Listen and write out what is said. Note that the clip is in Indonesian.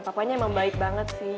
pokoknya emang baik banget sih